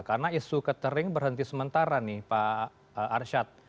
karena isu catering berhenti sementara nih pak arsyad